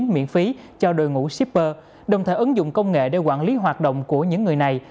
miễn phí cho đội ngũ shipper đồng thời ứng dụng công nghệ để quản lý hoạt động của những người này